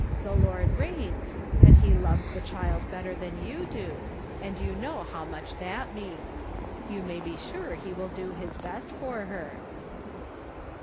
The Lord reigns, and he loves the child better than you do, and you know how much that means. You may be sure he will do his best for her."